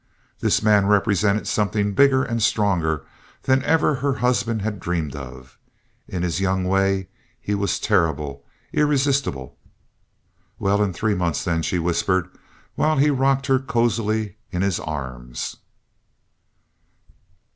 This man represented something bigger and stronger than ever her husband had dreamed of. In his young way he was terrible, irresistible. "Well, in three months then," she whispered, while he rocked her cozily in his arms.